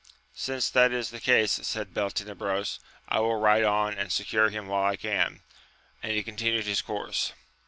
Since that is the case, said Beltenebros, I will ride on and secure him while I can ; and he continued his course.